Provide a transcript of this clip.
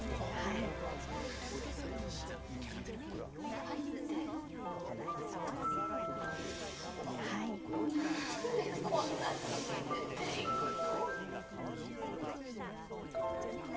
何でもう何でこんな時出ていくと？